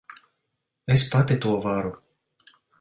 Es pati to varu.